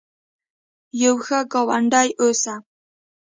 یو ښه ګاونډي اوسه